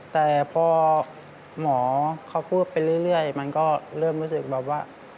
แต่พอหมอเขาพูดไปเรื่อยมันก็เริ่มรู้สึกแบบว่า